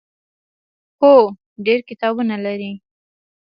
هو، ډیر کتابونه لري